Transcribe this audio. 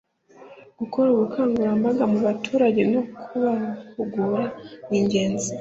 gukora ubukangurambaga mu baturage no kubahugura ningenzi